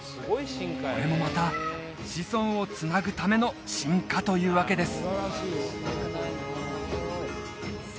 これもまた子孫をつなぐための進化というわけです